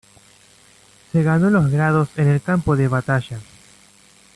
Se ganó los grados en el campo de batalla.